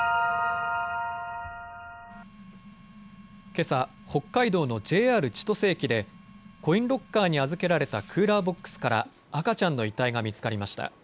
けさ北海道のＪＲ千歳駅でコインロッカーに預けられたクーラーボックスから赤ちゃんの遺体が見つかりました。